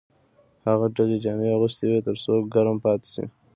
هغه ډبلې جامې اغوستې وې تر څو ګرم پاتې شي